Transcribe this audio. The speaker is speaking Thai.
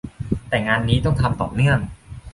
แต่งานนี้ต้องทำต่อเนื่อง